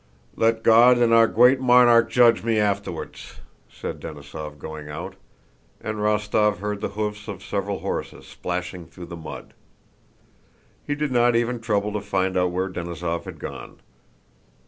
"Let God and our gweat monarch judge me afterwards!" said Denísov going out, and Rostóv heard the hoofs of several horses splashing through the mud. He did not even trouble to find out where Denísov had gone.